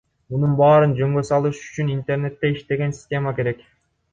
Мунун баарын жөнгө салыш үчүн интернетте иштеген система керек.